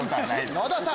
野田さん